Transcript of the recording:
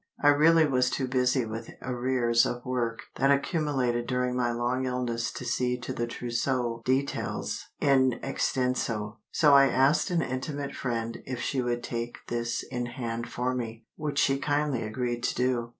I really was too busy with arrears of work that accumulated during my long illness to see to the trousseau details in extenso, so I asked an intimate friend if she would take this in hand for me—which she kindly agreed to do.